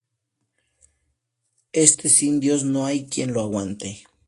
Este sindiós no hay quien lo aguante